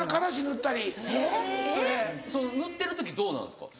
塗ってる時どうなんですか？